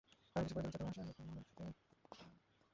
এমন কিছু করে যাবে, যাতে তোমার অনুপস্থিতিতেও পৃথিবী তোমাকে মনে রাখে।